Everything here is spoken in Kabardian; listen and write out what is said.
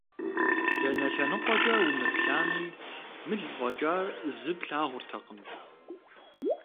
Дэнэ лъэныкъуэкӀэ умыплъами, мыл фӀэкӀа зы плъагъуртэкъым.